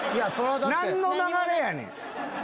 何の流れやねん！